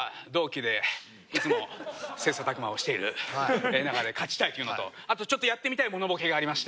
いつも切磋琢磨をしている仲で勝ちたいっていうのと後ちょっとやってみたいものボケがありまして。